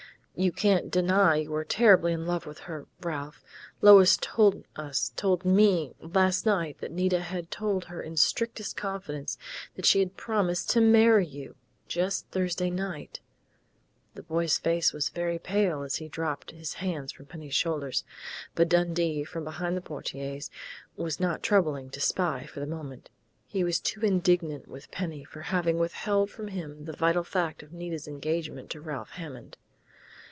You can't deny you were terribly in love with her, Ralph. Lois told us told me last night that Nita had told her in strictest confidence that she had promised to marry you, just Thursday night " The boy's face was very pale as he dropped his hands from Penny's shoulders, but Dundee, from behind the portieres, was not troubling to spy for the moment. He was too indignant with Penny for having withheld from him the vital fact of Nita's engagement to Ralph Hammond....